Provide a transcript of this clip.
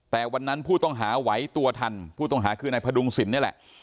แต่วันนั้นผู้ต้องหาไหวตัวทันผู้ต้องหาคือนายพดุงศิลป์นี่แหละ